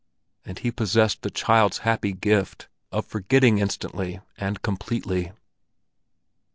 And he possessed the child's happy gift of forgetting instantly and completely.